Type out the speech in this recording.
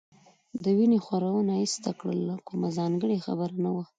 د وینې خورونه ایسته کړل، کومه ځانګړې خبره نه وه.